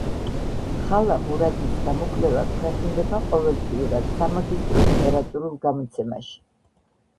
ხალა მურადის გამოკვლევა ქვეყნდება ყოველთვიურად სამაგისტრო ლიტერატურულ გამოცემაში.